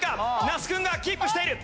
那須君がキープしている。